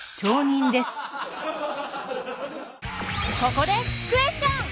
ここでクエスチョン！